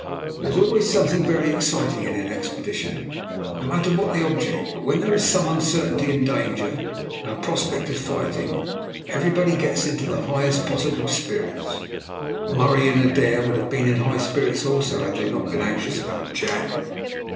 There is always something very exciting in an expedition, no matter what the object, but when there is some uncertainty and danger, and a prospect of fighting, everybody gets into the highest possible spirits. Murray and Adair would have been in high spirits also had they not been anxious about Jack.